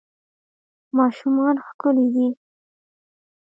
ماشومان ښکلي دي